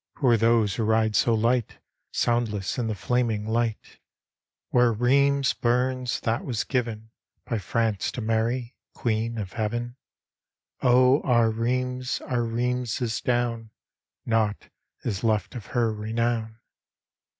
Who are those who ride so light. Soundless in the flaming light, Where Rheims burns, that was given By France to Mary, Queen of Heaven? Oh, our Rheims, our Rheims is down, Naught is left of her renown.